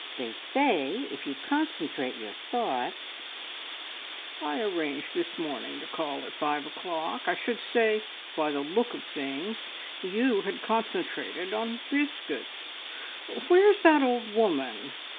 They say if you concentrate your thoughts " "I arranged this morning to call at five o'clock. I should say by the look of things you had concentrated on biscuits. ... Where's that old woman?"